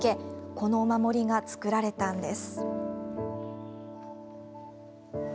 このお守りが作られたんです。